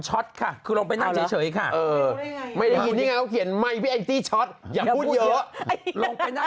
เหมือนเค้าด่าเหมือนกันนะว่าอย่าพูดเยอะ